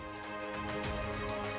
dunia pendidikan harus tetap dikedepankan